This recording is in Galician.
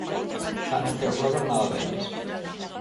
Xa non quero saber nada deles.